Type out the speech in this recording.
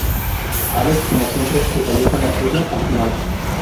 Alex, como siempre, se salió con la suya al final.